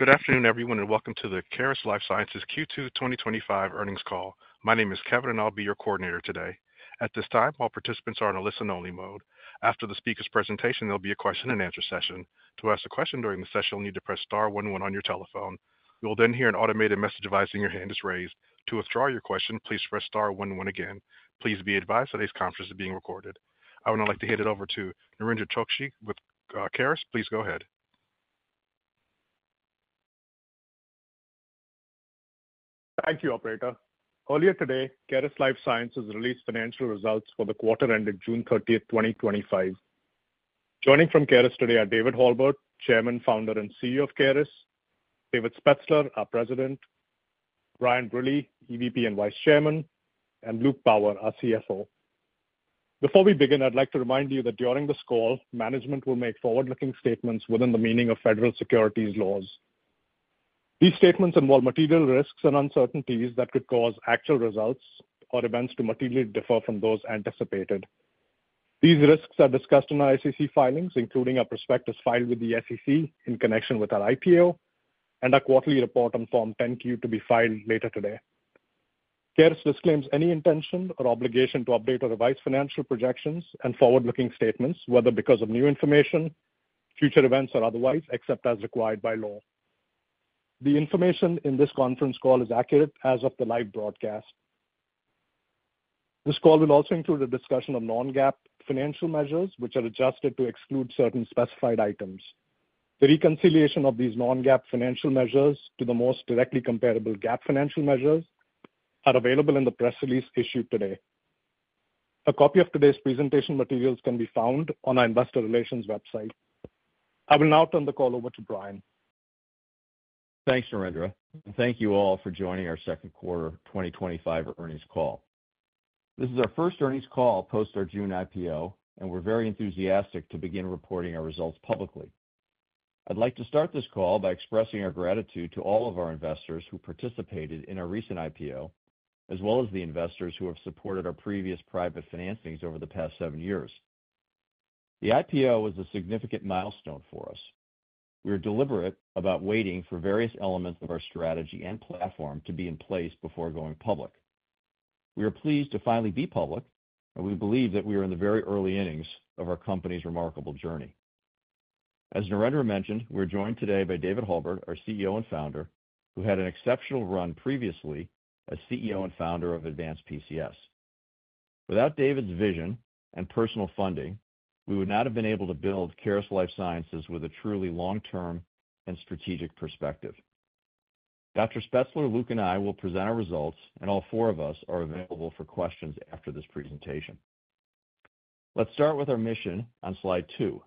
Good afternoon, everyone, and welcome to the Caris Life Sciences Q2 2025 earnings call. My name is Kevin, and I'll be your coordinator today. At this time, all participants are in a listen-only mode. After the speaker's presentation, there'll be a question and answer session. To ask a question during the session, you'll need to press star one one on your telephone. You'll then hear an automated message advising your hand is raised. To withdraw your question, please press star one one again. Please be advised today's conference is being recorded. I would now like to hand it over to Narendra Chokshi, with Caris. Please go ahead. Thank you, operator. Earlier today, Caris Life Sciences released financial results for the quarter ended June 30, 2025. Joining from Caris today are David Halbert, Chairman, Founder and CEO of Caris; David Spetzler, our President; Brian Brille, EVP and Vice Chairman; and Luke Power, our CFO. Before we begin, I'd like to remind you that during this call, management will make forward-looking statements within the meaning of federal securities laws. These statements involve material risks and uncertainties that could cause actual results or events to materially differ from those anticipated. These risks are discussed in our SEC filings, including a prospectus filed with the SEC in connection with our IPO and our quarterly report on Form 10-Q to be filed later today. Caris disclaims any intention or obligation to update or revise financial projections and forward-looking statements, whether because of new information, future events, or otherwise, except as required by law. The information in this conference call is accurate as of the live broadcast. This call will also include a discussion of non-GAAP financial measures, which are adjusted to exclude certain specified items. The reconciliation of these non-GAAP financial measures to the most directly comparable GAAP financial measures is available in the press release issued today. A copy of today's presentation materials can be found on our investor relations website. I will now turn the call over to Brian. Thanks, Narendra. Thank you all for joining our second quarter 2025 earnings call. This is our first earnings call post our June IPO, and we're very enthusiastic to begin reporting our results publicly. I'd like to start this call by expressing our gratitude to all of our investors who participated in our recent IPO, as well as the investors who have supported our previous private financings over the past seven years. The IPO was a significant milestone for us. We are deliberate about waiting for various elements of our strategy and platform to be in place before going public. We are pleased to finally be public, and we believe that we are in the very early innings of our company's remarkable journey. As Narendra mentioned, we're joined today by David Halbert, our CEO and Founder, who had an exceptional run previously as CEO and Founder of AdvancedPCS. Without David's vision and personal funding, we would not have been able to build Caris Life Sciences with a truly long-term and strategic perspective. Dr. Spetzler, Luke, and I will present our results, and all four of us are available for questions after this presentation. Let's start with our mission on slide two.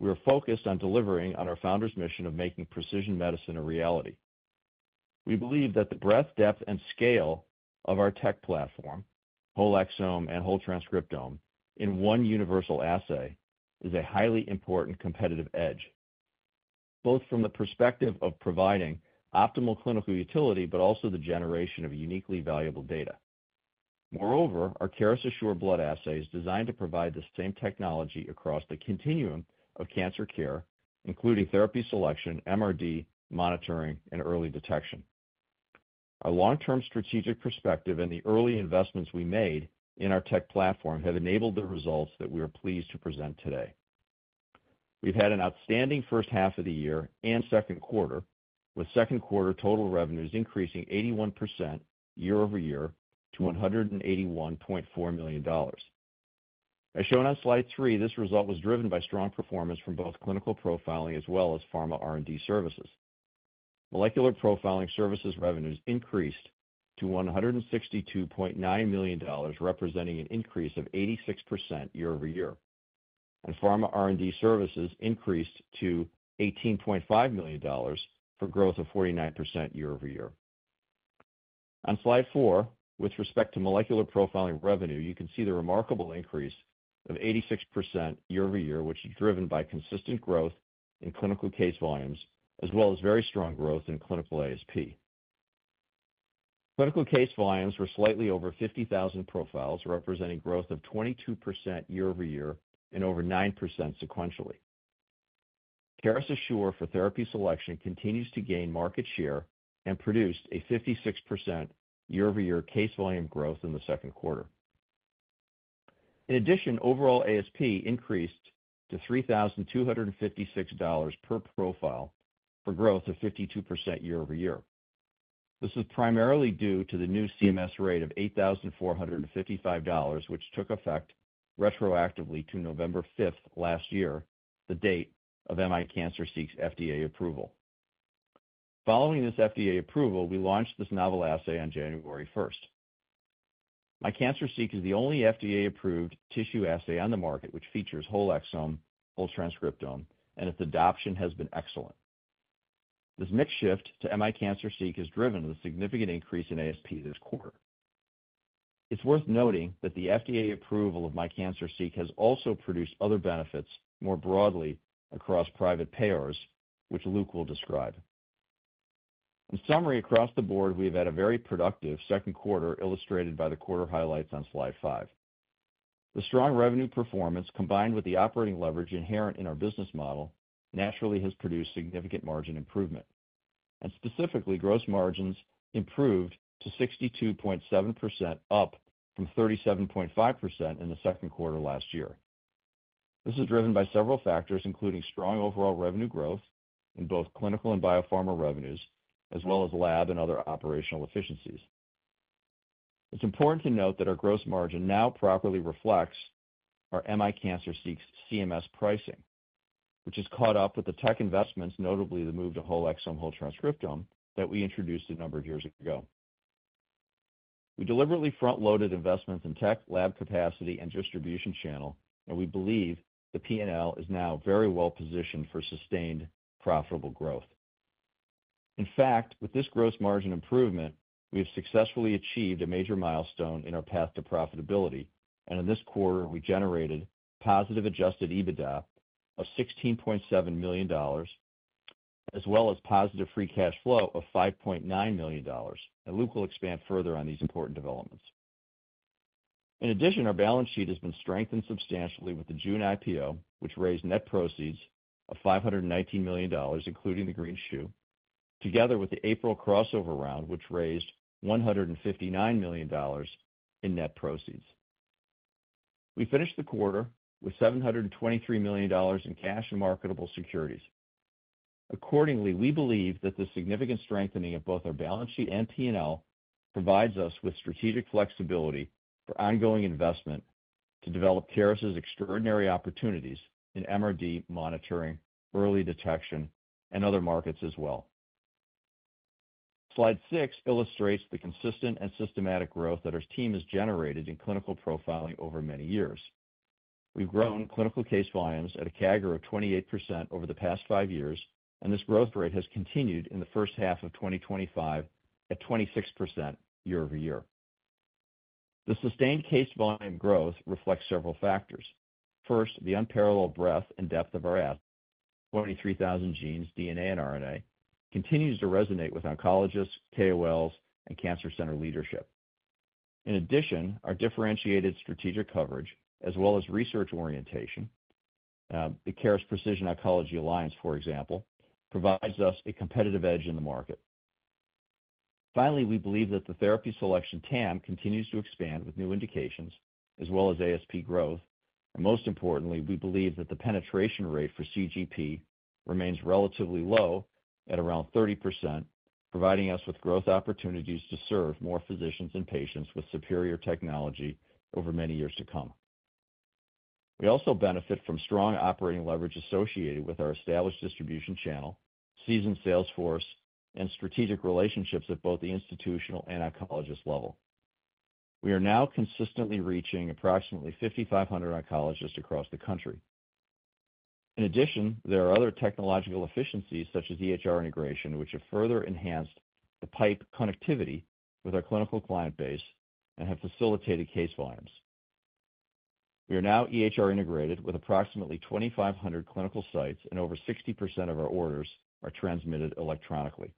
We are focused on delivering on our founders' mission of making precision medicine a reality. We believe that the breadth, depth, and scale of our tech platform, Whole Exome and Whole Transcriptome, in one universal assay is a highly important competitive edge, both from the perspective of providing optimal clinical utility, but also the generation of uniquely valuable data. Moreover, our Caris Assure Blood assay is designed to provide the same technology across the continuum of cancer care, including therapy selection, MRD monitoring, and early detection. Our long-term strategic perspective and the early investments we made in our tech platform have enabled the results that we are pleased to present today. We've had an outstanding first half of the year and second quarter, with second quarter total revenues increasing 81% year over year to $181.4 million. As shown on slide three, this result was driven by strong performance from both clinical profiling as well as pharma R&D services. Molecular Profiling Services revenues increased to $162.9 million, representing an increase of 86% year over year, and Pharma R&D Services increased to $18.5 million for growth of 49% year over year. On slide four, with respect to molecular profiling revenue, you can see the remarkable increase of 86% year over year, which is driven by consistent growth in clinical case volumes, as well as very strong growth in clinical ASP. Clinical case volumes were slightly over 50,000 profiles, representing growth of 22% year over year and over 9% sequentially. Caris Assure for therapy selection continues to gain market share and produced a 56% year-over-year case volume growth in the second quarter. In addition, overall ASP increased to $3,256 per profile for growth of 52% year over year. This is primarily due to the new CMS rate of $8,455, which took effect retroactively to November 5, last year, the date of MI Cancer Seek's FDA approval. Following this FDA approval, we launched this novel assay on January 1st. MI Cancer Seek is the only FDA-approved tissue assay on the market, which features Whole Exome, Whole Transcriptome, and its adoption has been excellent. This mix shift to MI Cancer Seek is driven with a significant increase in ASP this quarter. It's worth noting that the FDA approval of MI Cancer Seek has also produced other benefits more broadly across private payers, which Luke will describe. In summary, across the board, we've had a very productive second quarter, illustrated by the quarter highlights on slide five. The strong revenue performance, combined with the operating leverage inherent in our business model, naturally has produced significant margin improvement. Specifically, gross margins improved to 62.7%, up from 37.5% in the second quarter last year. This is driven by several factors, including strong overall revenue growth in both clinical and biopharma revenues, as well as lab and other operational efficiencies. It's important to note that our gross margin now properly reflects our MI Cancer Seek CMS pricing, which is caught up with the tech investments, notably the move to Whole Exome, Whole Transcriptome We deliberately front-loaded investments in tech, lab capacity, and distribution channel, and we believe the P&L is now very well positioned for sustained profitable growth. In fact, with this gross margin improvement, we have successfully achieved a major milestone in our path to profitability, and in this quarter, we generated positive adjusted EBITDA of $16.7 million, as well as positive free cash flow of $5.9 million, and Luke will expand further on these important developments. In addition, our balance sheet has been strengthened substantially with the June IPO, which raised net proceeds of $519 million, including the greenshoe, together with the April crossover round, which raised $159 million in net proceeds. We finished the quarter with $723 million in cash and marketable securities. Accordingly, we believe that the significant strengthening of both our balance sheet and P&L provides us with strategic flexibility for ongoing investment to develop Caris's extraordinary opportunities in MRD monitoring, early detection, and other markets as well. Slide six illustrates the consistent and systematic growth that our team has generated in clinical profiling over many years. We've grown clinical case volumes at a CAGR of 28% over the past five years, and this growth rate has continued in the first half of 2025 at 26% year over year. The sustained case volume growth reflects several factors. First, the unparalleled breadth and depth of our asset: 23,000 genes, DNA, and RNA continues to resonate with oncologists, KOLs, and cancer center leadership. In addition, our differentiated strategic coverage, as well as research orientation, the Caris Precision Oncology Alliance, for example, provides us a competitive edge in the market. Finally, we believe that the therapy selection TAM continues to expand with new indications, as well as ASP growth. Most importantly, we believe that the penetration rate for CGP remains relatively low at around 30%, providing us with growth opportunities to serve more physicians and patients with superior technology over many years to come. We also benefit from strong operating leverage associated with our established distribution channel, seasoned sales force, and strategic relationships at both the institutional and oncologist level. We are now consistently reaching approximately 5,500 oncologists across the country. In addition, there are other technological efficiencies, such as EHR integration, which have further enhanced the pipe connectivity with our clinical client base and have facilitated case volumes. We are now EHR integrated with approximately 2,500 clinical sites, and over 60% of our orders are transmitted electronically.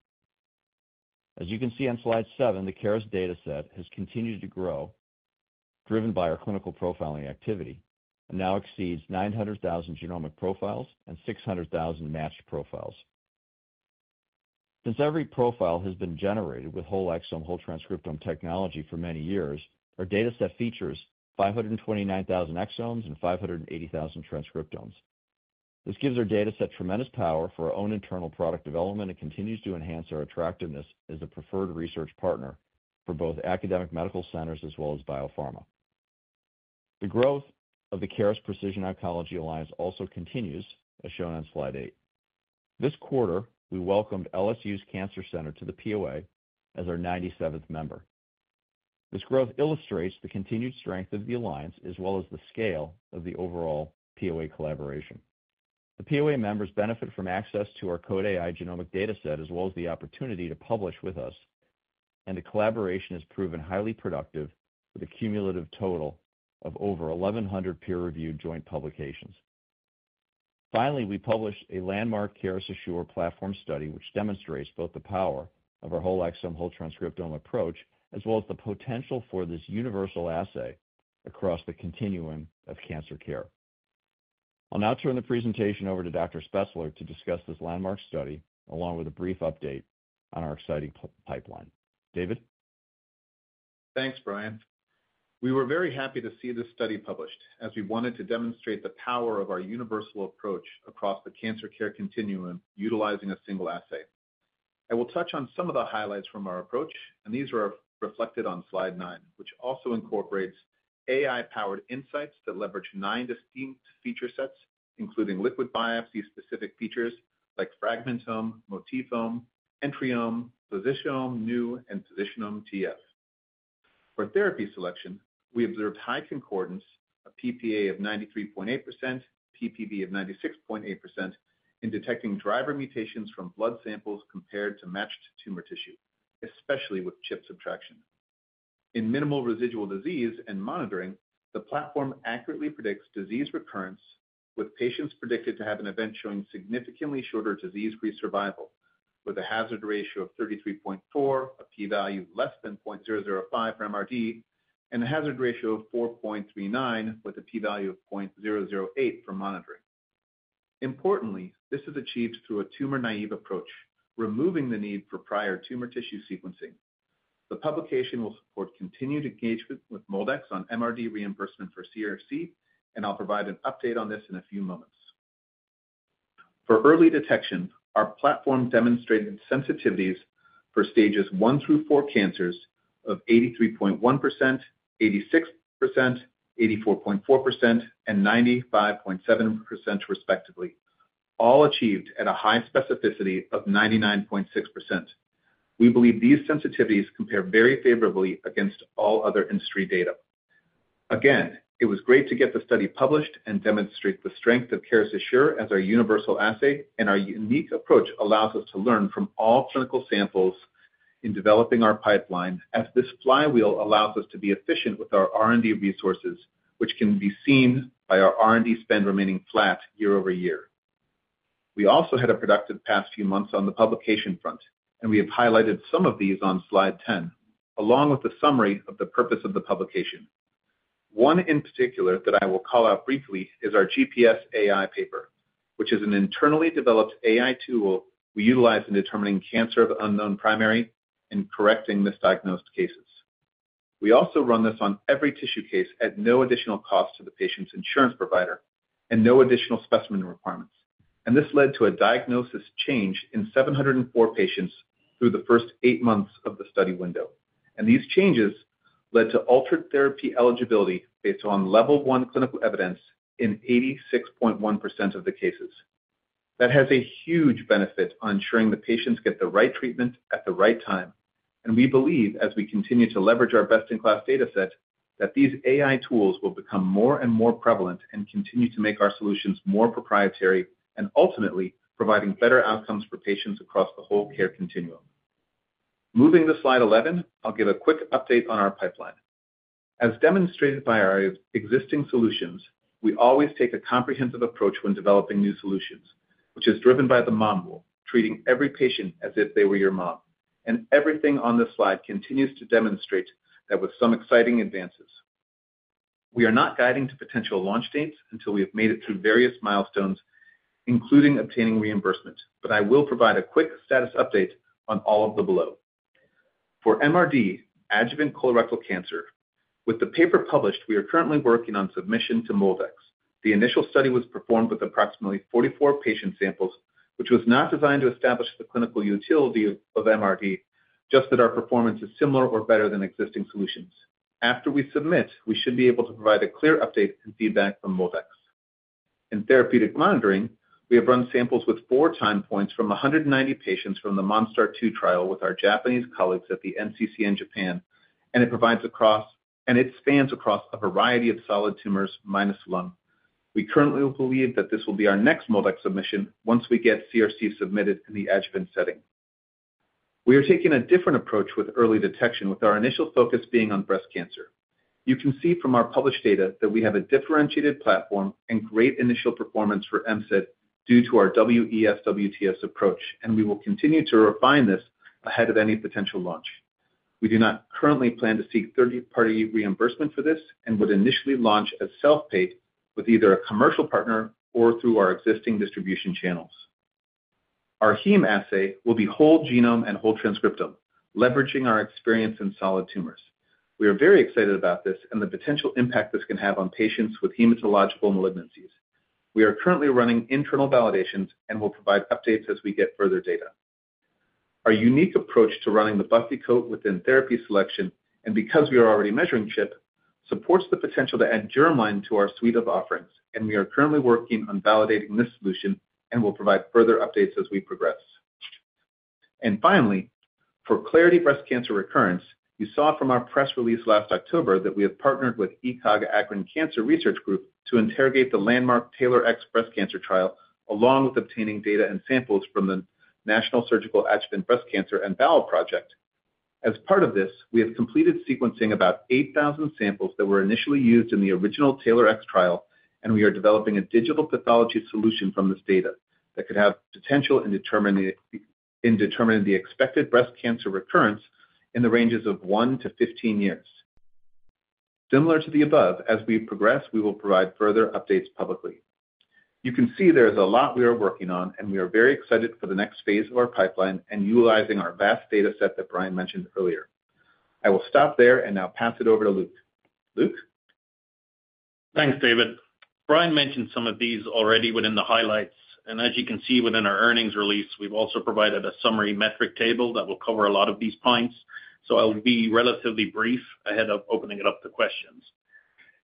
As you can see on slide seven, the Caris data set has continued to grow, driven by our clinical profiling activity, and now exceeds 900,000 genomic profiles and 600,000 matched profiles. Since every profile has been generated with Whole Exome, Whole Transcriptome technology for many years, our data set features 529,000 exomes and 580,000 transcriptomes. This gives our data set tremendous power for our own internal product development and continues to enhance our attractiveness as the preferred research partner for both academic medical centers as well as biopharma. The growth of the Caris Precision Oncology Alliance also continues, as shown on slide eight. This quarter, we welcomed LSU's Cancer Center to the POA as our 97th member. This growth illustrates the continued strength of the Alliance, as well as the scale of the overall POA collaboration. The POA members benefit from access to our CODEaI genomic data set, as well as the opportunity to publish with us, and the collaboration has proven highly productive with a cumulative total of over 1,100 peer-reviewed joint publications. Finally, we published a landmark Caris Assure platform study, which demonstrates both the power of our Whole Exome, Whole Transcriptome approach, as well as the potential for this universal assay across the continuum of cancer care. I'll now turn the presentation over to Dr. Spetzler to discuss this landmark study, along with a brief update on our exciting pipeline. David? Thanks, Brian. We were very happy to see this study published, as we wanted to demonstrate the power of our universal approach across the cancer care continuum utilizing a single assay. I will touch on some of the highlights from our approach, and these are reflected on slide nine, which also incorporates AI-powered insights that leverage nine distinct feature sets, including liquid biopsy-specific features like fragmentome, motifome, entryome, positionome, new, and positionome TF. For therapy selection, we observed high concordance, a PPA of 93.8%, PPB of 96.8% in detecting driver mutations from blood samples compared to matched tumor tissue, especially with chip subtraction. In minimal residual disease and monitoring, the platform accurately predicts disease recurrence, with patients predicted to have an event showing significantly shorter disease-free survival, with a hazard ratio of 33.4, a p-value less than 0.005 for MRD, and a hazard ratio of 4.39, with a p-value of 0.008 for monitoring. Importantly, this is achieved through a tumor-naive approach, removing the need for prior tumor tissue sequencing. The publication will support continued engagement with MolDX on MRD reimbursement for CRC, and I'll provide an update on this in a few moments. For early detection, our platform demonstrated sensitivities for stages one through four cancers of 83.1%, 86%, 84.4%, and 95.7%, respectively, all achieved at a high specificity of 99.6%. We believe these sensitivities compare very favorably against all other industry data. Again, it was great to get the study published and demonstrate the strength of Caris Assure as our universal assay, and our unique approach allows us to learn from all clinical samples in developing our pipeline, as this flywheel allows us to be efficient with our R&D resources, which can be seen by our R&D spend remaining flat year over year. We also had a productive past few months on the publication front, and we have highlighted some of these on slide 10, along with a summary of the purpose of the publication. One in particular that I will call out briefly is our GPS AI paper, which is an internally developed AI tool we utilize in determining cancer of unknown primary and correcting misdiagnosed cases. We also run this on every tissue case at no additional cost to the patient's insurance provider and no additional specimen requirements. This led to a diagnosis change in 704 patients through the first eight months of the study window. These changes led to altered therapy eligibility based on level one clinical evidence in 86.1% of the cases. That has a huge benefit on ensuring the patients get the right treatment at the right time. We believe, as we continue to leverage our best-in-class data set, that these AI tools will become more and more prevalent and continue to make our solutions more proprietary and ultimately provide better outcomes for patients across the whole care continuum. Moving to slide 11, I'll give a quick update on our pipeline. As demonstrated by our existing solutions, we always take a comprehensive approach when developing new solutions, which is driven by the mom rule, treating every patient as if they were your mom. Everything on this slide continues to demonstrate that with some exciting advances. We are not guiding to potential launch dates until we have made it through various milestones, including obtaining reimbursement. I will provide a quick status update on all of the below. For MRD, adjuvant colorectal cancer, with the paper published, we are currently working on submission to MolDX. The initial study was performed with approximately 44 patient samples, which was not designed to establish the clinical utility of MRD, just that our performance is similar or better than existing solutions. After we submit, we should be able to provide a clear update and feedback from MolDX. In therapeutic monitoring, we have run samples with four time points from 190 patients from the MONSTAR-2 trial with our Japanese colleagues at the NCCN Japan, and it spans across a variety of solid tumors minus lung. We currently believe that this will be our next MolDX submission once we get CRC submitted in the adjuvant setting. We are taking a different approach with early detection, with our initial focus being on breast cancer. You can see from our published data that we have a differentiated platform and great initial performance for MCIT due to our WESWTS approach, and we will continue to refine this ahead of any potential launch. We do not currently plan to seek third-party reimbursement for this and would initially launch as self-pay with either a commercial partner or through our existing distribution channels. Our heme assay will be whole genome and whole transcriptome, leveraging our experience in solid tumors. We are very excited about this and the potential impact this can have on patients with hematological malignancies. We are currently running internal validations and will provide updates as we get further data. Our unique approach to running the buffy coat within therapy selection, and because we are already measuring CHIP, supports the potential to add germline to our suite of offerings. We are currently working on validating this solution and will provide further updates as we progress. For clarity, breast cancer recurrence, you saw from our press release last October that we have partnered with ECOG-ACRIN Cancer Research Group, to interrogate the landmark TAILORx breast cancer trial, along with obtaining data and samples from the National Surgical Adjuvant Breast Cancer and Bowel Project. As part of this, we have completed sequencing about 8,000 samples that were initially used in the original TAILORx trial, and we are developing a digital pathology solution from this data that could have potential in determining the expected breast cancer recurrence in the ranges of 1 year-15 years. Similar to the above, as we progress, we will provide further updates publicly. You can see there is a lot we are working on, and we are very excited for the next phase of our pipeline and utilizing our vast data set that Brian mentioned earlier. I will stop there and now pass it over to Luke. Luke? Thanks, David. Brian mentioned some of these already within the highlights, and as you can see within our earnings release, we've also provided a summary metric table that will cover a lot of these points. I'll be relatively brief ahead of opening it up to questions.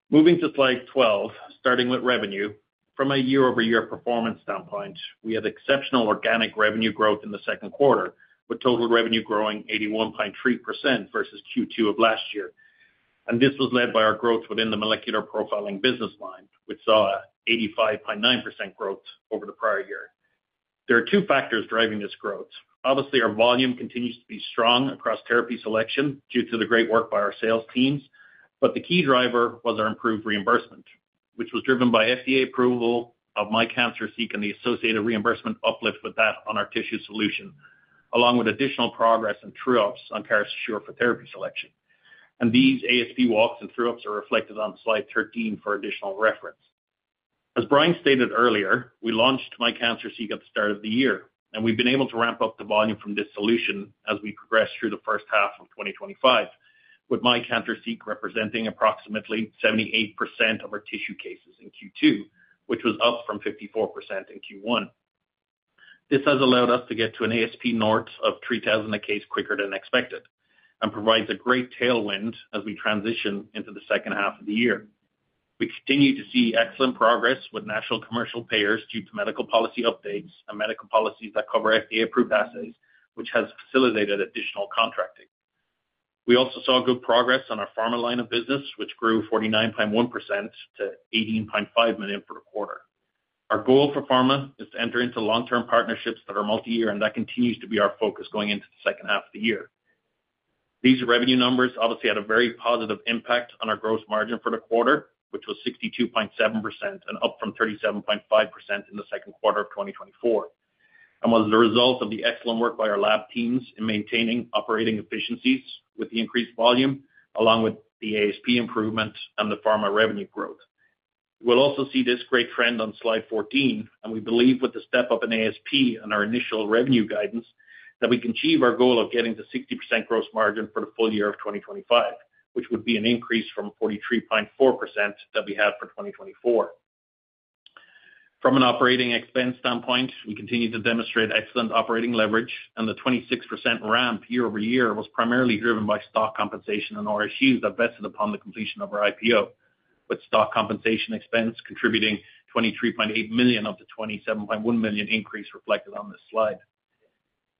Moving to slide 12, starting with revenue, from a year-over-year performance standpoint, we had exceptional organic revenue growth in the second quarter, with total revenue growing 81.3% versus Q2 of last year. This was led by our growth within the molecular profiling business line, which saw an 85.9% growth over the prior year. There are two factors driving this growth. Obviously, our volume continues to be strong across therapy selection due to the great work by our sales teams, but the key driver was our improved reimbursement, which was driven by FDA approval of MI Cancer Seek and the associated reimbursement uplift with that on our tissue solution, along with additional progress and true-ups on Caris Assure for therapy selection. These ASP walks and true-ups are reflected on slide 13 for additional reference. As Brian stated earlier, we launched MI Cancer Seek at the start of the year, and we've been able to ramp up the volume from this solution as we progress through the first half of 2025, with MI Cancer Seek representing approximately 78% of our tissue cases in Q2, which was up from 54% in Q1. This has allowed us to get to an ASP north of $3,000 a case quicker than expected and provides a great tailwind as we transition into the second half of the year. We continue to see excellent progress with national commercial payers due to medical policy updates and medical policies that cover FDA-approved assays, which has facilitated additional contracting. We also saw good progress on our pharma line of business, which grew 49.1% to $18.5 million for the quarter. Our goal for pharma is to enter into long-term partnerships that are multi-year, and that continues to be our focus going into the second half of the year. These revenue numbers obviously had a very positive impact on our gross margin for the quarter, which was 62.7% and up from 37.5% in the second quarter of 2024, and was the result of the excellent work by our lab teams in maintaining operating efficiencies with the increased volume, along with the ASP improvement and the pharma revenue growth. We'll also see this great trend on slide 14, and we believe with the step up in ASP and our initial revenue guidance that we can achieve our goal of getting to 60% gross margin for the full year of 2025, which would be an increase from 43.4% that we had for 2024. From an operating expense standpoint, we continue to demonstrate excellent operating leverage, and the 26% ramp year over year was primarily driven by stock compensation and RSUs that vested upon the completion of our IPO, with stock compensation expense contributing $23.8 million of the $27.1 million increase reflected on this slide.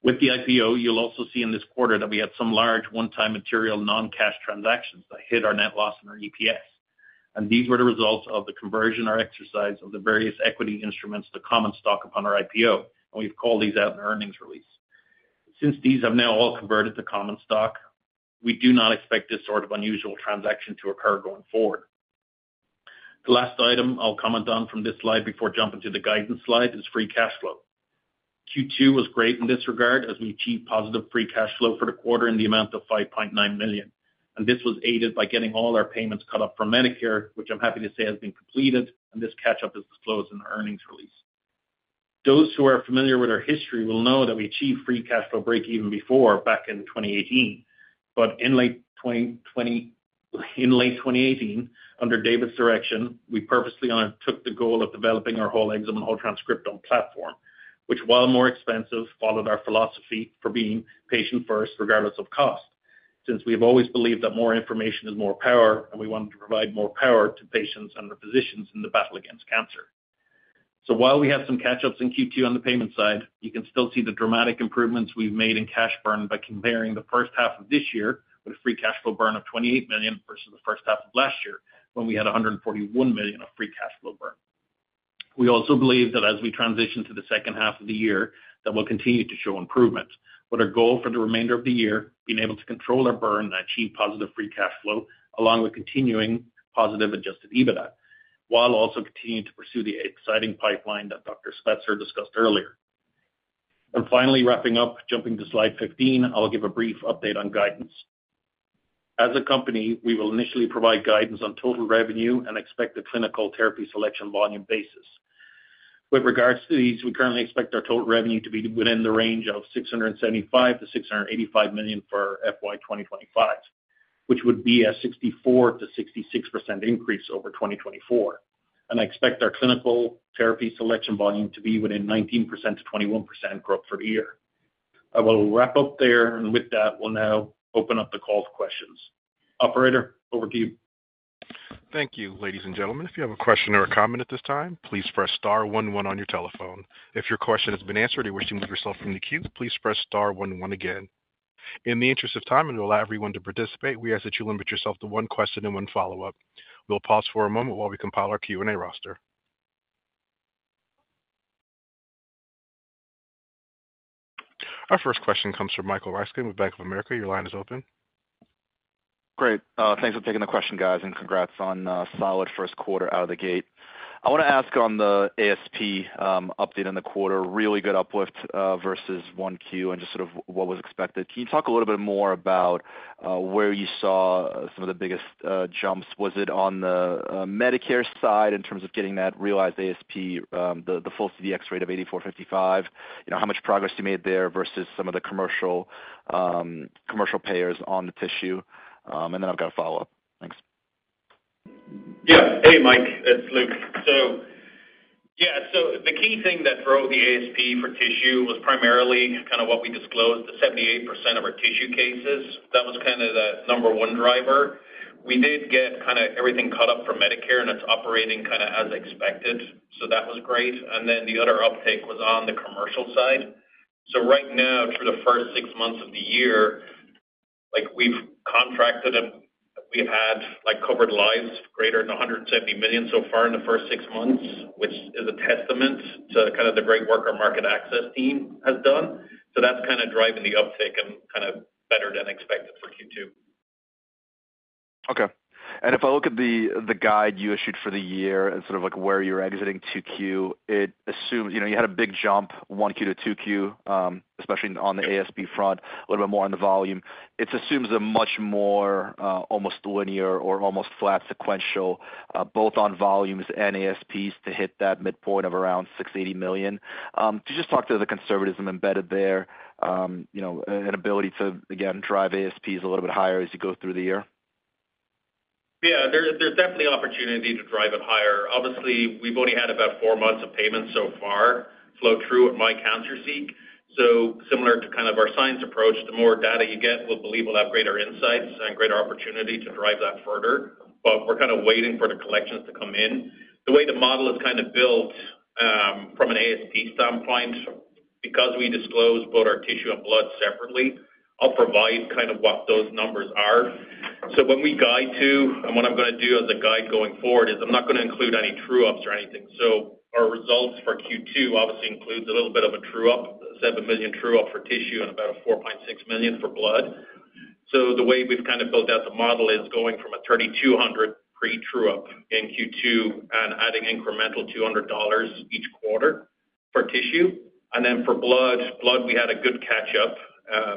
With the IPO, you'll also see in this quarter that we had some large one-time material non-cash transactions that hit our net loss in our EPS. These were the results of the conversion or exercise of the various equity instruments to common stock upon our IPO, and we've called these out in our earnings release. Since these have now all converted to common stock, we do not expect this sort of unusual transaction to occur going forward. The last item I'll comment on from this slide before jumping to the guidance slide is free cash flow. Q2 was great in this regard as we achieved positive free cash flow for the quarter in the amount of $5.9 million. This was aided by getting all our payments caught up from Medicare, which I'm happy to say has been completed, and this catch-up is disclosed in the earnings release. Those who are familiar with our history will know that we achieved free cash flow break even before, back in 2018. In late 2018, under David's direction, we purposely undertook the goal of developing our Whole Exome and Whole Transcriptome platform, which, while more expensive, followed our philosophy for being patient first, regardless of cost, since we have always believed that more information is more power, and we wanted to provide more power to patients and the physicians in the battle against cancer. While we have some catch-ups in Q2 on the payment side, you can still see the dramatic improvements we've made in cash burn by comparing the first half of this year with a free cash flow burn of $28 million versus the first half of last year, when we had $141 million of free cash flow burn. We also believe that as we transition to the second half of the year, we'll continue to show improvements, with our goal for the remainder of the year being able to control our burn and achieve positive free cash flow, along with continuing positive adjusted EBITDA, while also continuing to pursue the exciting pipeline that Dr. Spetzler discussed earlier. Finally, wrapping up, jumping to slide 15, I'll give a brief update on guidance. As a company, we will initially provide guidance on total revenue and expected clinical therapy selection volume basis. With regards to these, we currently expect our total revenue to be within the range of $675 million-$685 million for FY 2025, which would be a 64%-66% increase over 2024. I expect our clinical therapy selection volume to be within 19%-21% growth for the year. I will wrap up there, and with that, we'll now open up the call to questions. Operator, over to you. Thank you, ladies and gentlemen. If you have a question or a comment at this time, please press star one one on your telephone. If your question has been answered or you wish to move yourself from the queue, please press star one one again. In the interest of time and to allow everyone to participate, we ask that you limit yourself to one question and one follow-up. We'll pause for a moment while we compile our Q&A roster. Our first question comes from Michael Ryskin with Bank of America. Your line is open. Great. Thanks for taking the question, guys, and congrats on a solid first quarter out of the gate. I want to ask on the ASP update in the quarter, really good uplift versus 1Q and just sort of what was expected. Can you talk a little bit more about where you saw some of the biggest jumps? Was it on the Medicare side in terms of getting that realized ASP, the full CDX rate of $84.55? How much progress you made there versus some of the commercial payers on the tissue? I've got a follow-up. Thanks. Yeah. Hey, Mike. It's Luke. The key thing that for all the ASP for tissue was primarily kind of what we disclosed, the 78% of our tissue cases. That was kind of the number one driver. We did get kind of everything caught up from Medicare, and it's operating kind of as expected. That was great. The other uptake was on the commercial side. Right now, for the first six months of the year, we've contracted and we've had covered lives greater than 170 million so far in the first six months, which is a testament to kind of the great work our market access team has done. That's kind of driving the uptake and kind of better than expected for Q2. Okay. If I look at the guide you issued for the year and sort of like where you're exiting 2Q, it assumes you had a big jump 1Q to 2Q, especially on the ASP front, a little bit more on the volume. It assumes a much more almost linear or almost flat sequential, both on volumes and ASPs, to hit that midpoint of around $680 million. Could you just talk to the conservatism embedded there, you know an ability to, again, drive ASPs a little bit higher as you go through the year? Yeah, there's definitely opportunity to drive it higher. Obviously, we've only had about four months of payments so far flow through at MI Cancer Seek. Similar to our science approach, the more data you get, we believe will have greater insights and greater opportunity to drive that further. We're kind of waiting for the collections to come in. The way the model is built from an ASP standpoint, because we disclose both our tissue and blood separately, I'll provide what those numbers are. When we guide to, and what I'm going to do as a guide going forward is I'm not going to include any true-ups or anything. Our results for Q2 obviously include a little bit of a true-up, $7 million true-up for tissue and about $4.6 million for blood. The way we've built out the model is going from a $3,200 pre-true-up in Q2 and adding incremental $200 each quarter for tissue. For blood, we had a good catch-up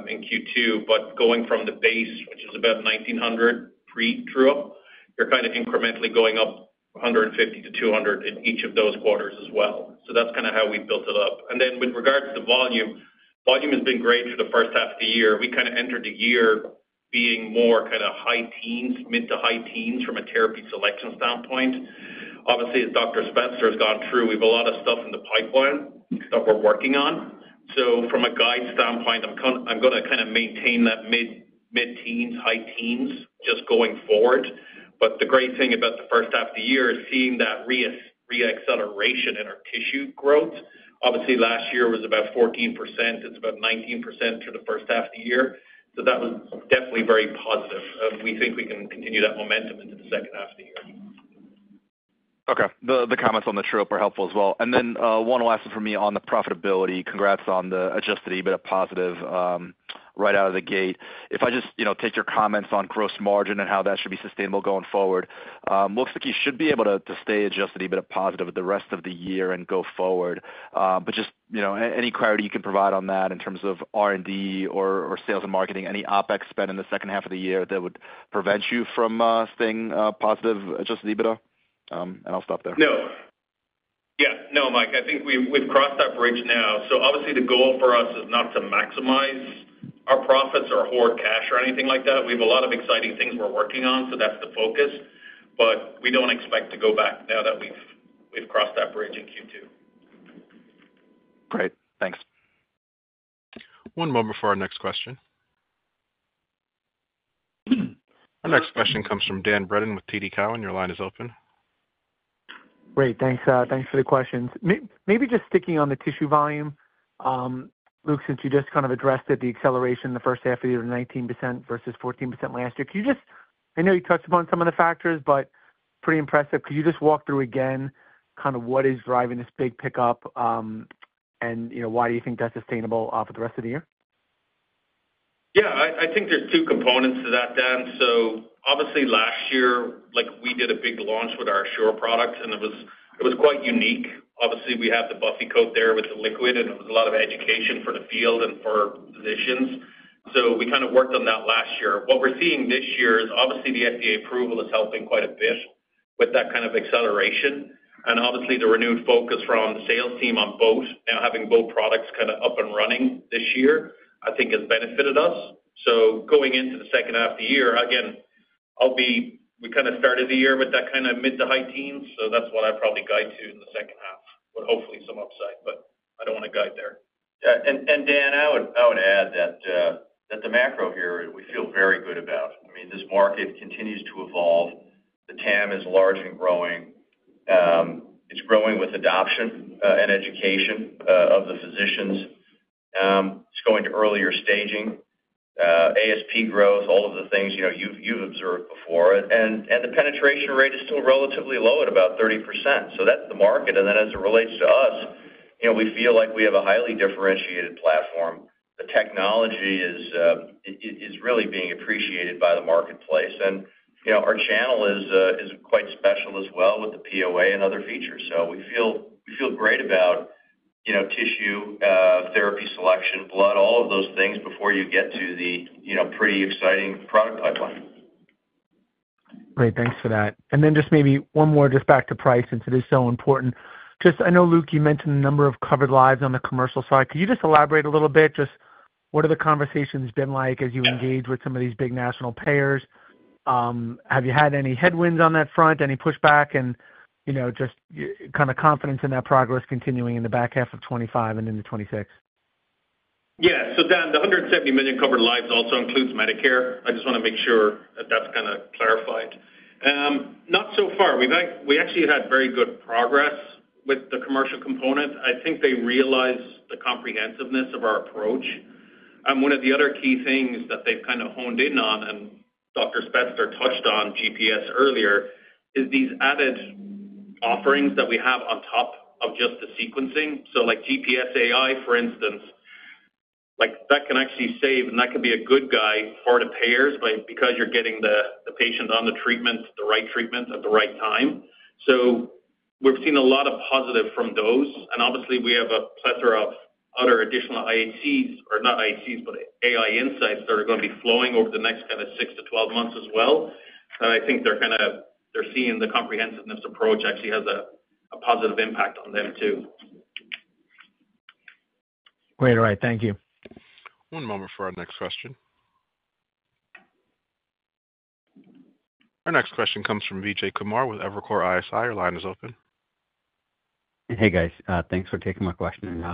in Q2, but going from the base, which is about $1,900 pre-true-up, you're incrementally going up $150-$200 in each of those quarters as well. That's how we built it up. With regards to volume, volume has been great for the first half of the year. We entered the year being more high teens, mid to high teens from a therapy selection standpoint. As Dr. Spetzler has gone through, we have a lot of stuff in the pipeline, stuff we're working on. From a guide standpoint, I'm going to maintain that mid-teens, high teens just going forward. The great thing about the first half of the year is seeing that reacceleration in our tissue growth. Last year was about 14%. It's about 19% for the first half of the year. That was definitely very positive. We think we can continue that momentum into the second half of the year. Okay. The comments on the true-up are helpful as well. One last one from me on the profitability. Congrats on the adjusted EBITDA positive right out of the gate. If I just take your comments on gross margin and how that should be sustainable going forward, it looks like you should be able to stay adjusted EBITDA positive the rest of the year and go forward. Any clarity you can provide on that in terms of R&D or sales and marketing, any OpEx spend in the second half of the year that would prevent you from staying positive adjusted EBITDA? I'll stop there. No. Yeah. No, Mike. I think we've crossed that bridge now. Obviously, the goal for us is not to maximize our profits or hoard cash or anything like that. We have a lot of exciting things we're working on. That's the focus. We don't expect to go back now that we've crossed that bridge in Q2. Great. Thanks. One moment for our next question. Our next question comes from Dan Brennan with TD Cowen. Your line is open. Great. Thanks. Thanks for the questions. Maybe just sticking on the tissue volume, Luke, since you just kind of addressed it, the acceleration in the first half of the year to 19% versus 14% last year. Can you just, I know you touched upon some of the factors, but pretty impressive. Could you just walk through again kind of what is driving this big pickup and you know why do you think that's sustainable for the rest of the year? Yeah. I think there's two components to that, Dan. Last year, we did a big launch with our Caris Assure product, and it was quite unique. We have the buffy coat there with the liquid, and it was a lot of education for the field and for physicians. We kind of worked on that last year. What we're seeing this year is the FDA approval is helping quite a bit with that kind of acceleration. The renewed focus from the sales team on both and having both products kind of up and running this year, I think, has benefited us. Going into the second half of the year, again, we kind of started the year with that kind of mid to high teens. That's what I'd probably guide to in the second half, hopefully some upside, but I don't want to guide there. Yeah. Dan, I would add that the macro here we feel very good about. I mean, this market continues to evolve. The TAM is large and growing. It's growing with adoption and education of the physicians. It's going to earlier staging, ASP growth, all of the things you've observed before. The penetration rate is still relatively low at about 30%. That's the market. As it relates to us, we feel like we have a highly differentiated platform. The technology is really being appreciated by the marketplace. Our channel is quite special as well with the POA and other features. We feel great about tissue, therapy selection, blood, all of those things before you get to the pretty exciting product pipeline. Great. Thanks for that. Maybe one more, just back to price, since it is so important. I know, Luke, you mentioned the number of covered lives on the commercial side. Could you just elaborate a little bit? What have the conversations been like as you engage with some of these big national payers? Have you had any headwinds on that front, any pushback, and just kind of confidence in that progress continuing in the back half of 2025 and into 2026? Yeah. Dan, the $170 million covered lives also includes Medicare. I just want to make sure that that's clarified. Not so far. We actually had very good progress with the commercial component. I think they realize the comprehensiveness of our approach. One of the other key things that they've honed in on, and Dr. Spetzler touched on GPS earlier, is these added offerings that we have on top of just the sequencing. GPS AI, for instance, can actually save, and that could be a good guide for the payers because you're getting the patient on the treatments, the right treatments at the right time. We've seen a lot of positives from those. Obviously, we have a plethora of other additional AI insights that are going to be flowing over the next 6 months-12 months as well. I think they're seeing the comprehensive approach actually has a positive impact on them too. Great. All right. Thank you. One moment for our next question. Our next question comes from Vijay Kumar with Evercore ISI. Your line is open. Hey, guys. Thanks for taking my question.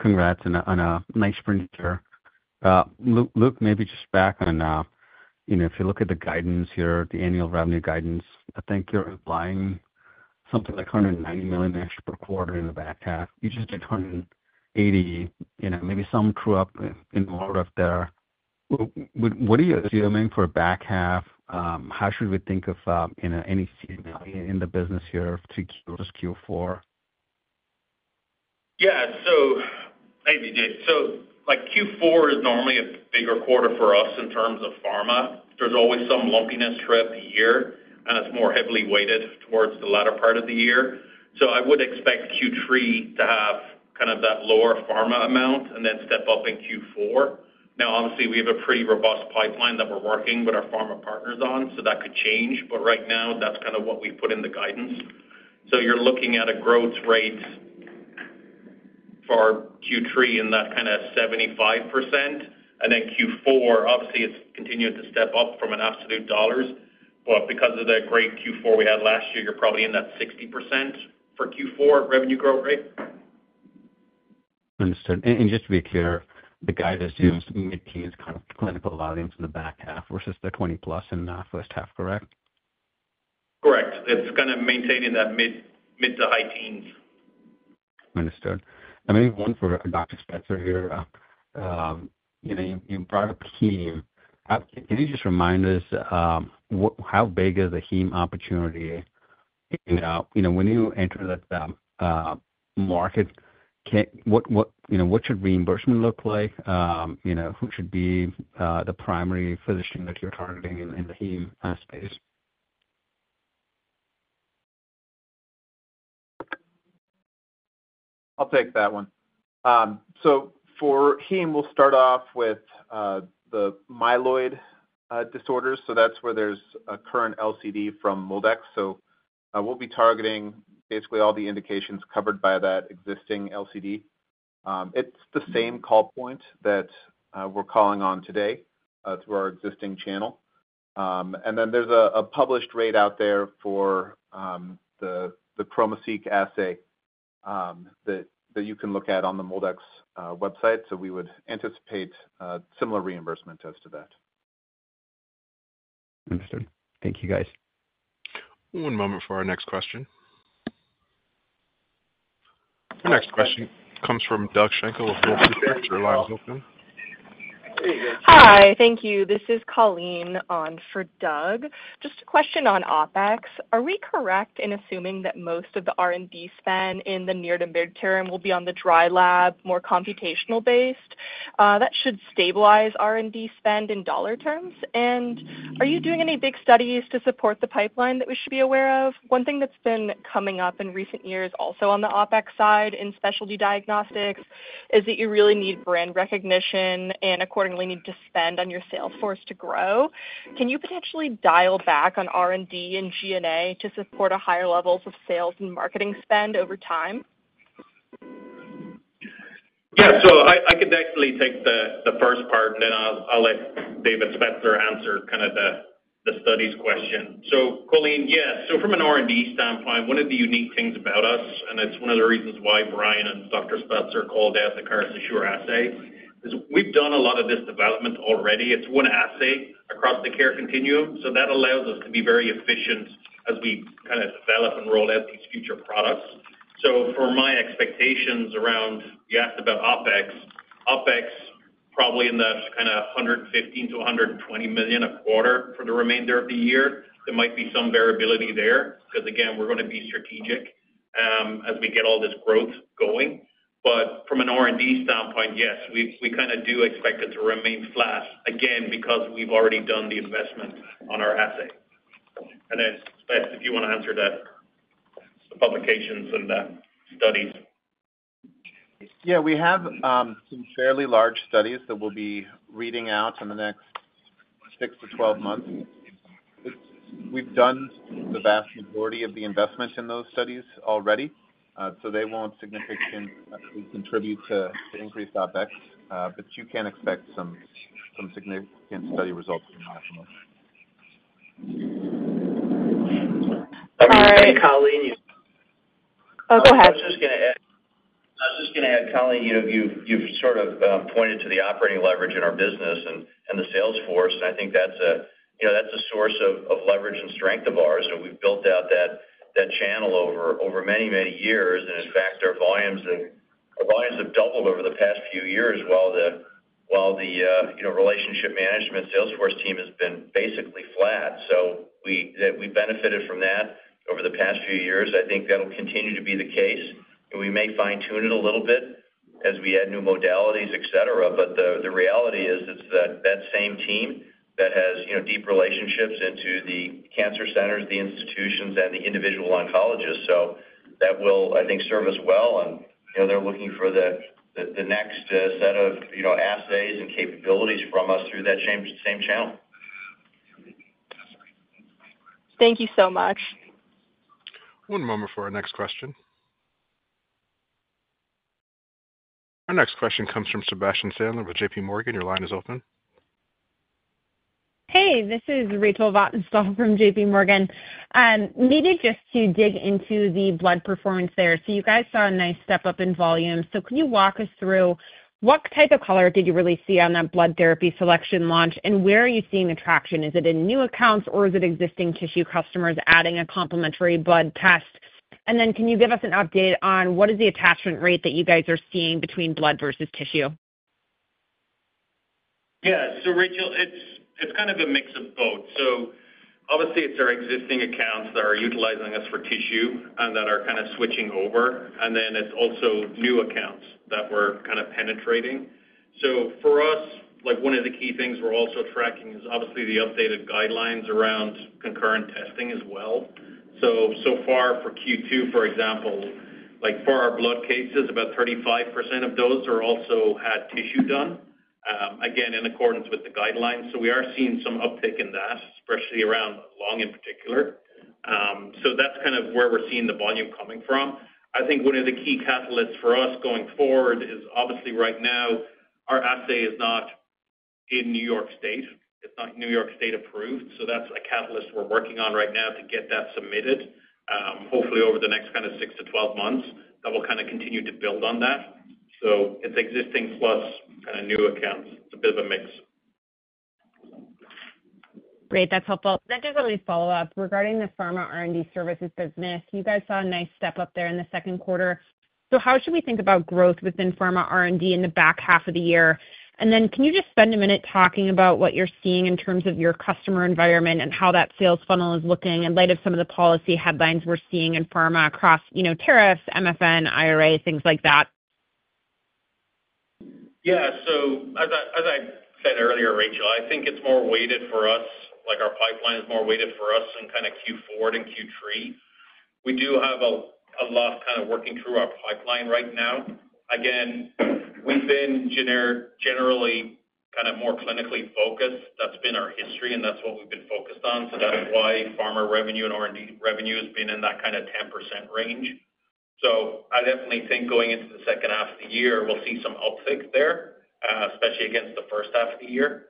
Congrats and a nice spring start. Luke, maybe just back on, you know, if you look at the guidance here, the annual revenue guidance, I think you're implying something like $190 million extra per quarter in the back half. You just did $180 million, you know, maybe some true-up in the order up there. What are you assuming for the back half? How should we think of, you know, any seed mill in the business here of Q2 to Q4? Yeah. Hey, Vijay. Q4 is normally a bigger quarter for us in terms of pharma. There's always some lumpiness throughout the year, and it's more heavily weighted towards the latter part of the year. I would expect Q3 to have kind of that lower pharma amount and then step up in Q4. Obviously, we have a pretty robust pipeline that we're working with our pharma partners on, so that could change. Right now, that's kind of what we've put in the guidance. You're looking at a growth rate for Q3 in that kind of 75%. Q4, obviously, it's continuing to step up from an absolute dollars. Because of the great Q4 we had last year, you're probably in that 60% for Q4 revenue growth rate. Understood. Just to be clear, the guidance is mid-teens clinical volumes in the back half versus the 20+ in the first half, correct? Correct. It's kind of maintaining that mid to high teens. Understood. I think one for Dr. Spetzler here. You brought up heme. Could you just remind us how big is the heme opportunity? When you enter this market, what should reimbursement look like? Who should be the primary physician that you're targeting in the heme space? I'll take that one. For heme, we'll start off with the myeloid disorders. That's where there's a current LCD from MolDX. We'll be targeting basically all the indications covered by that existing LCD. It's the same call point that we're calling on today through our existing channel. There's a published rate out there for the Chromosec assay that you can look at on the MolDX website. We would anticipate similar reimbursement as to that. Understood. Thank you, guys. One moment for our next question. Our next question comes from Doug Schenkel with Wolfe Research. Your line is open. Hi. Thank you. This is Colleen on for Doug. Just a question on OpEx. Are we correct in assuming that most of the R&D spend in the near-to-mid-term will be on the dry lab, more computational-based? That should stabilize R&D spend in dollar terms. Are you doing any big studies to support the pipeline that we should be aware of? One thing that's been coming up in recent years, also on the OpEx side in specialty diagnostics, is that you really need brand recognition and accordingly need to spend on your sales force to grow. Can you potentially dial back on R&D and G&A to support a higher level of sales and marketing spend over time? Yeah. I could definitely take the first part, and then I'll let David Spetzler answer kind of the studies question. Colleen, yeah. From an R&D standpoint, one of the unique things about us, and it's one of the reasons why Brian and Dr. Spetzler called out the Caris Assure assay, is we've done a lot of this development already. It's one assay across the care continuum. That allows us to be very efficient as we kind of develop and roll out these future products. For my expectations around, you asked about OpEx. OpEx probably in that kind of $115 million-$120 million a quarter for the remainder of the year. There might be some variability there because, again, we're going to be strategic as we get all this growth going. From an R&D standpoint, yes, we kind of do expect it to remain flat, again, because we've already done the investment on our assay. I guess, Spetzler, do you want to answer that, the publications and the studies? We have some fairly large studies that we'll be reading out in the next 6 months-12 months. We've done the vast majority of the investments in those studies already. They won't significantly contribute to increased OpEx, but you can expect some significant study results from that. All right. Oh, go ahead. I was just going to add, Colleen, you've sort of pointed to the operating leverage in our business and the sales force. I think that's a source of leverage and strength of ours. We've built out that channel over many, many years. In fact, our volumes have doubled over the past few years while the relationship management sales force team has been basically flat. We benefited from that over the past few years. I think that will continue to be the case. We may fine-tune it a little bit as we add new modalities, etc. The reality is it's that same team that has deep relationships into the cancer centers, the institutions, and the individual oncologists. I think that will serve us well. They're looking for the next set of assays and capabilities from us through that same channel. Thank you so much. One moment for our next question. Our next question comes from Sebastian Sandler with JPMorgan. Your line is open. Hey, this is Rachel Vatnsdal from JPMorgan. I needed just to dig into the blood performance there. You guys saw a nice step up in volume. Can you walk us through what type of color did you really see on that blood therapy selection launch? Where are you seeing the traction? Is it in new accounts, or is it existing tissue customers adding a complimentary blood test? Can you give us an update on what is the attachment rate that you guys are seeing between blood versus tissue? Yeah. Rachel, it's kind of a mix of both. Obviously, it's our existing accounts that are utilizing us for tissue and that are kind of switching over, and it's also new accounts that we're kind of penetrating. For us, one of the key things we're also tracking is the updated guidelines around concurrent testing as well. For Q2, for example, for our blood cases, about 35% of those also had tissue done, again, in accordance with the guidelines. We are seeing some uptake in that, especially around lung in particular. That's kind of where we're seeing the volume coming from. I think one of the key catalysts for us going forward is right now, our assay is not in New York State. It's not New York State approved. That's a catalyst we're working on right now to get that submitted, hopefully over the next 6 months- \12 months, that we'll continue to build on. It's existing plus new accounts. It's a bit of a mix. Great. That's helpful. Just a follow-up regarding the Pharma R&D Services business. You guys saw a nice step up there in the second quarter. How should we think about growth within Pharma R&D in the back half of the year? Can you just spend a minute talking about what you're seeing in terms of your customer environment and how that sales funnel is looking in light of some of the policy headlines we're seeing in pharma across tariffs, MFN, IRA, things like that? Yeah. As I said earlier, Rachel, I think it's more weighted for us. Our pipeline is more weighted for us in kind of Q4 and Q3. We do have a lot working through our pipeline right now. We've been generally more clinically focused. That's been our history, and that's what we've been focused on. That is why pharma revenue and R&D revenue has been in that 10% range. I definitely think going into the second half of the year, we'll see some uptick there, especially against the first half of the year.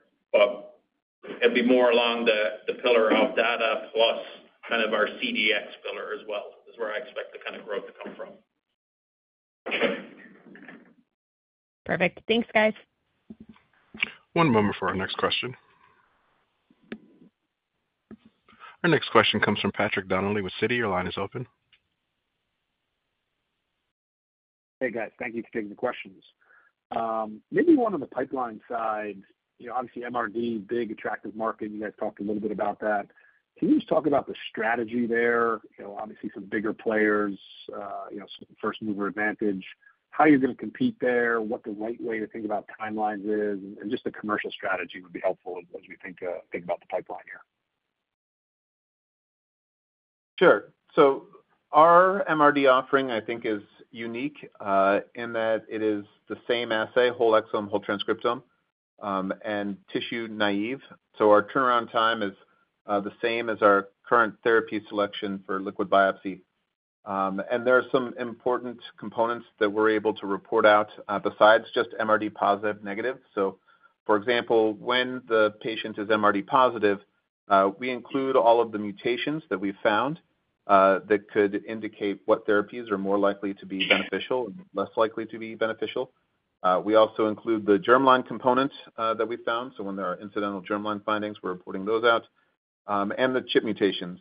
It'd be more along the pillar of data plus our CDX pillar as well is where I expect the kind of growth to come from. Perfect. Thanks, guys. One moment for our next question. Our next question comes from Patrick Donnelly with Citi. Your line is open. Hey, guys. Thank you for taking the questions. Maybe one on the pipeline side, you know obviously MRD, big attractive market. You guys talked a little bit about that. Can you just talk about the strategy there? You know obviously some bigger players, you know first mover advantage, how you're going to compete there, what the right way to think about timelines is, and just the commercial strategy would be helpful as we think about the pipeline here. Sure. Our MRD offering, I think, is unique in that it is the same assay, Whole Exome, Whole Transcriptome, and tissue naive. Our turnaround time is the same as our current therapy selection for liquid biopsy. There are some important components that we're able to report out besides just MRD positive, negative. For example, when the patient is MRD positive, we include all of the mutations that we've found that could indicate what therapies are more likely to be beneficial and less likely to be beneficial. We also include the germline component that we found. When there are incidental germline findings, we're reporting those out, and the chip mutations,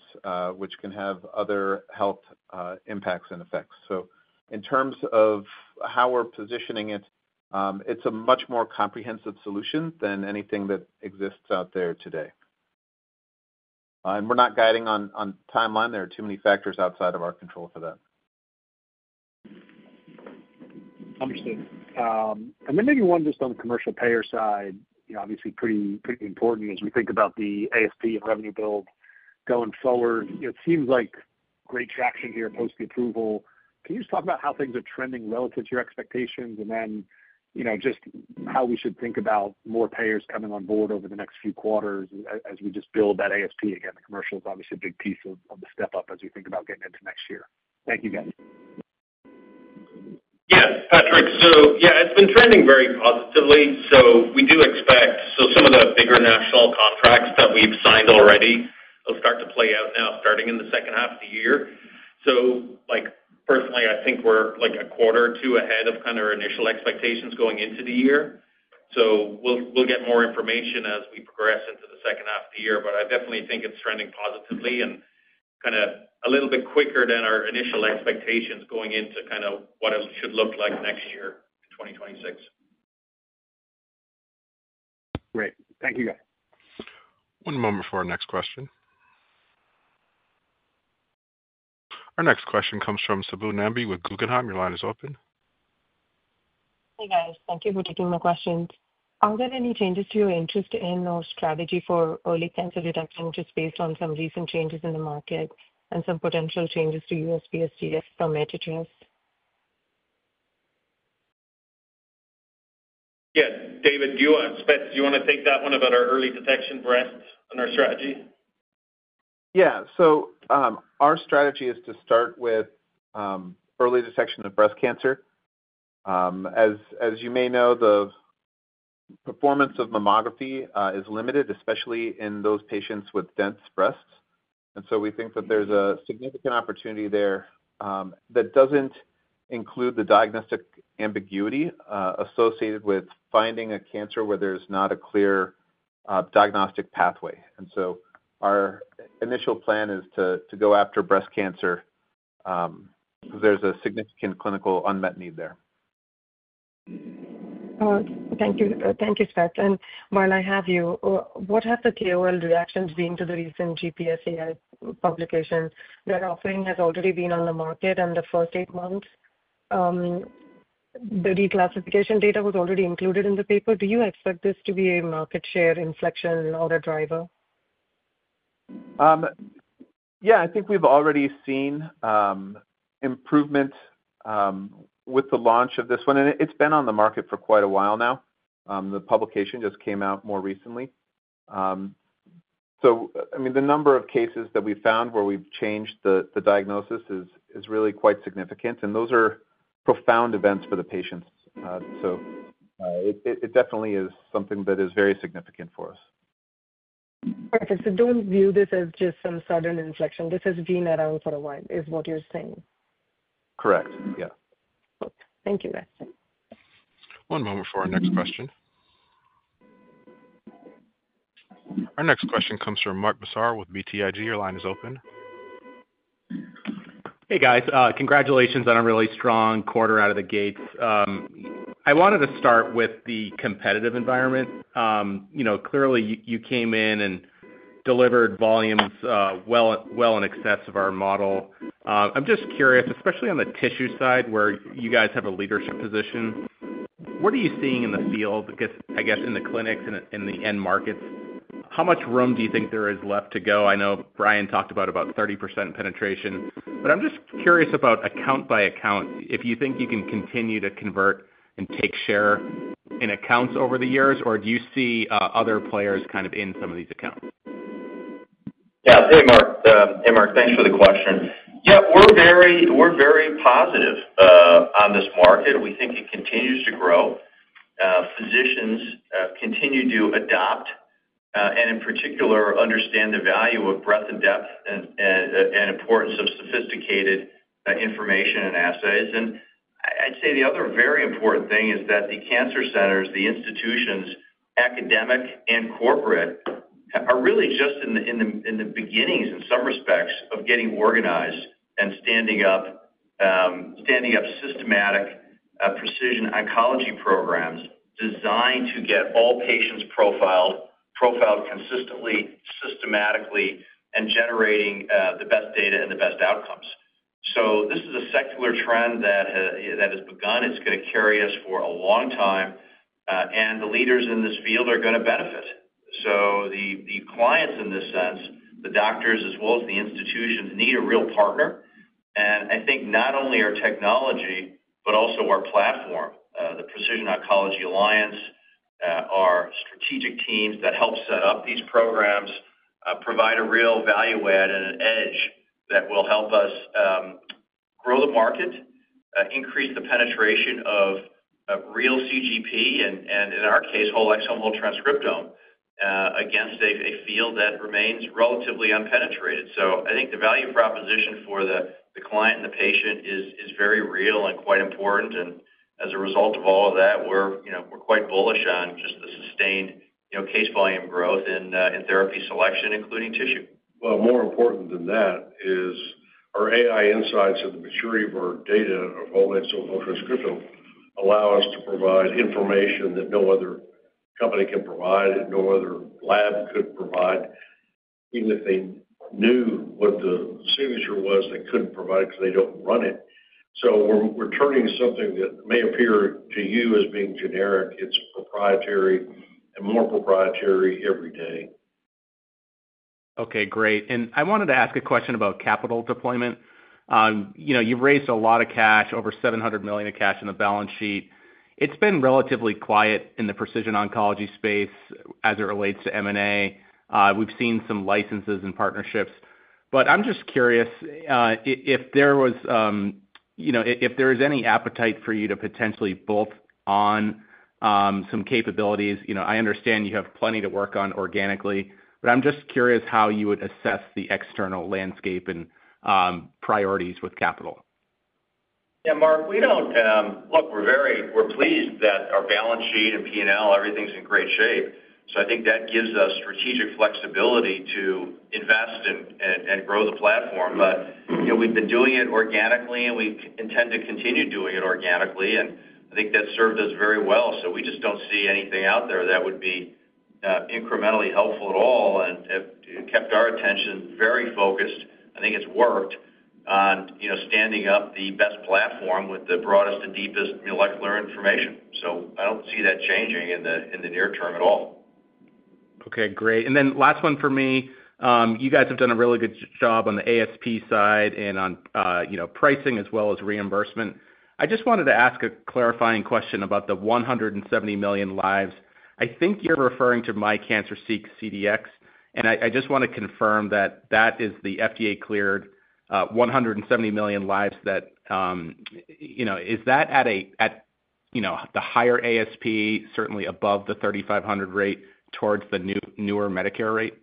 which can have other health impacts and effects. In terms of how we're positioning it, it's a much more comprehensive solution than anything that exists out there today. We're not guiding on timeline. There are too many factors outside of our control for that. Understood. Maybe one just on the commercial payer side, you know obviously pretty important as we think about the ASP revenue build going forward. It seems like great traction here post the approval. Can you just talk about how things are trending relative to your expectations and then you know just how we should think about more payers coming on board over the next few quarters as we just build that ASP against commercial is obviously a big piece of the step up as we think about getting into next year. Thank you, guys. We do expect some of the bigger national contracts that we've signed already will start to play out now starting in the second half of the year. Personally, I think we're like a quarter or two ahead of kind of our initial expectations going into the year. We'll get more information as we progress into the second half of the year. I definitely think it's trending positively and kind of a little bit quicker than our initial expectations going into kind of what it should look like next year, 2026. Great. Thank you, guys. One moment for our next question. Our next question comes from Subbu Nambi with Guggenheim. Your line is open. Hey, guys. Thank you for taking the questions. Are there any changes to your interest in or strategy for early cancer detection just based on some recent changes in the market and some potential changes to USPSTF from trust? Yeah. David, do you want to take that one about our early detection breadth and our strategy? Our strategy is to start with early detection of breast cancer. As you may know, the performance of mammography is limited, especially in those patients with dense breasts. We think that there's a significant opportunity there that doesn't include the diagnostic ambiguity associated with finding a cancer where there's not a clear diagnostic pathway. Our initial plan is to go after breast cancer because there's a significant clinical unmet need there. Thank you, Spetz. While I have you, what have the KOL reactions been to the recent GPS AI publication? Their offering has already been on the market in the first eight months. The declassification data was already included in the paper. Do you expect this to be a market share inflection or a driver? I think we've already seen improvement with the launch of this one. It's been on the market for quite a while now. The publication just came out more recently. The number of cases that we found where we've changed the diagnosis is really quite significant, and those are profound events for the patients. It definitely is something that is very significant for us. Perfect. Don't view this as just some sudden inflection. This has been around for a while, is what you're saying? Correct. Yeah. Thank you, guys. One moment for our next question. Our next question comes from Mark Massaro with BTIG. Your line is open. Hey, guys. Congratulations on a really strong quarter out of the gates. I wanted to start with the competitive environment. You know, clearly, you came in and delivered volumes well in excess of our model. I'm just curious, especially on the tissue side where you guys have a leadership position, what are you seeing in the field, I guess, in the clinics and in the end markets? How much room do you think there is left to go? I know Brian talked about about 30% penetration, but I'm just curious about account by account. If you think you can continue to convert and take share in accounts over the years, or do you see other players kind of in some of these accounts? Thanks for the question. We're very positive on this market. We think it continues to grow. Physicians continue to adopt, and in particular, understand the value of breadth and depth and importance of sophisticated information and assays. I'd say the other very important thing is that the cancer centers, the institutions, academic, and corporate are really just in the beginnings, in some respects, of getting organized and standing up systematic precision oncology programs designed to get all patients profiled consistently, systematically, and generating the best data and the best outcomes. This is a secular trend that has begun. It's going to carry us for a long time. The leaders in this field are going to benefit. The clients in this sense, the doctors, as well as the institutions, need a real partner. I think not only our technology, but also our platform, the Precision Oncology Alliance, our strategic teams that help set up these programs, provide a real value-add and an edge that will help us grow the market, increase the penetration of real CGP, and in our case, Whole Exome, Whole Transcriptome against a field that remains relatively unpenetrated. I think the value proposition for the client and the patient is very real and quite important. As a result of all of that, we're quite bullish on just the sustained case volume growth in therapy selection, including tissue. More important than that is our AI insights of the maturity of our data, Whole Exome, Whole Transcriptome, allow us to provide information that no other company can provide, that no other lab could provide. Even if they knew what the signature was, they couldn't provide it because they don't run it. We're turning something that may appear to you as being generic. It's proprietary and more proprietary every day. Okay. Great. I wanted to ask a question about capital deployment. You've raised a lot of cash, over $700 million of cash in the balance sheet. It's been relatively quiet in the precision oncology space as it relates to M&A. We've seen some licenses and partnerships. I'm just curious, if there is any appetite for you to potentially bolt on some capabilities. I understand you have plenty to work on organically, but I'm just curious how you would assess the external landscape and priorities with capital. Yeah, Mark. We're very pleased that our balance sheet and P&L, everything's in great shape. I think that gives us strategic flexibility to invest in and grow the platform. We've been doing it organically, and we intend to continue doing it organically. I think that's served us very well. We just don't see anything out there that would be incrementally helpful at all and kept our attention very focused. I think it's worked on standing up the best platform with the broadest and deepest molecular information. I don't see that changing in the near term at all. Okay. Great. Last one for me. You guys have done a really good job on the ASP side and on pricing as well as reimbursement. I just wanted to ask a clarifying question about the 170 million lives. I think you're referring to MI Cancer Seek CDX. I just want to confirm that that is the FDA-cleared 170 million lives that, you know, is that at the higher ASP, certainly above the $3,500 rate towards the newer Medicare rate?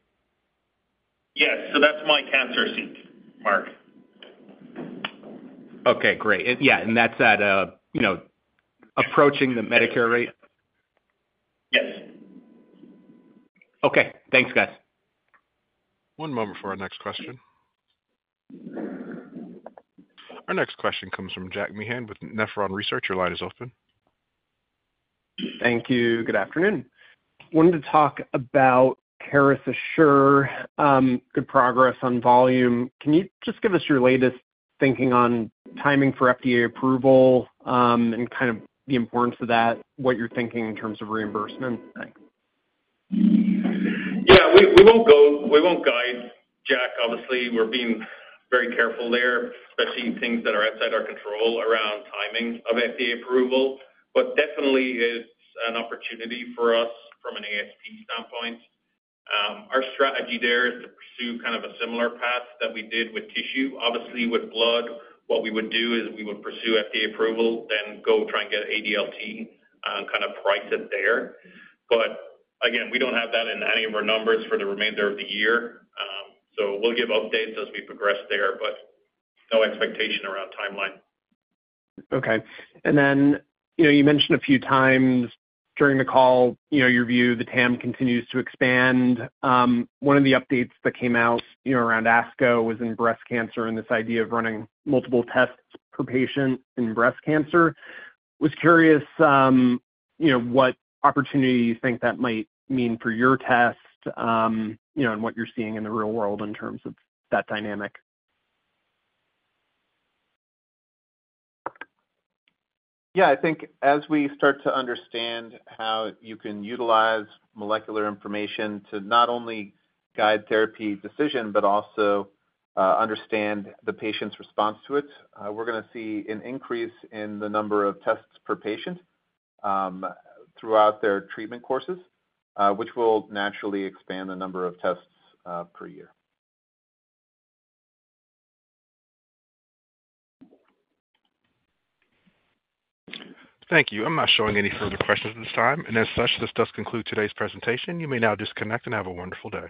Yes. That's MI Cancer Seek, Mark. Okay. Great. Yeah, that's at approaching the Medicare rate. Okay. Thanks, guys. One moment for our next question. Our next question comes from Jack Meehan with Nephron Research. Your line is open. Thank you. Good afternoon. Wanted to talk about Caris Assure. Good progress on volume. Can you just give us your latest thinking on timing for FDA approval and the importance of that, what you're thinking in terms of reimbursement? We won't guide, obviously. We're being very careful there, especially things that are outside our control around timing of FDA approval. It's an opportunity for us from an ASP standpoint. Our strategy there is to pursue kind of a similar path that we did with tissue. With blood, what we would do is we would pursue FDA approval, then go try and get ADLT and kind of price it there. We don't have that in any of our numbers for the remainder of the year. We'll give updates as we progress there, but no expectation around timeline. Okay. You mentioned a few times during the call, your view, the TAM continues to expand. One of the updates that came out around ASCO was in breast cancer and this idea of running multiple tests per patient in breast cancer. Was curious what opportunity you think that might mean for your test, and what you're seeing in the real world in terms of that dynamic. Yeah. I think as we start to understand how you can utilize molecular information to not only guide therapy decision, but also understand the patient's response to it, we're going to see an increase in the number of tests per patient throughout their treatment courses, which will naturally expand the number of tests per year. Thank you. I'm not showing any further questions at this time. This does conclude today's presentation. You may now disconnect and have a wonderful day.